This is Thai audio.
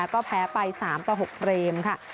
ก็แพ้ไป๓ต่อ๖เฟรมค่ะ